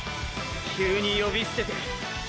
急によびすてて。